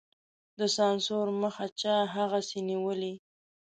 د سانسور مخه چا هغسې نېولې.